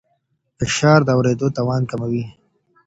فشار د اورېدو توان کموي.